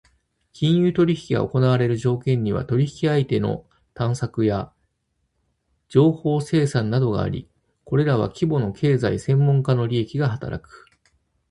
金融取引が行われる条件には、取引相手の探索や情報生産などがあり、これらは規模の経済・専門家の利益が働く。